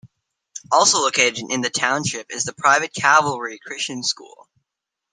Also located in the township is the private Calvary Christian School.